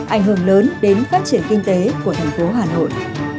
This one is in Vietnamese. ảnh hưởng lớn đến phát triển kinh tế của thành phố hà nội